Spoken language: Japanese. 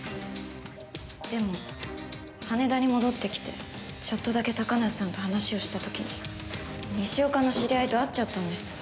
でも羽田に戻ってきてちょっとだけ高梨さんと話をした時に西岡の知り合いと会っちゃったんです。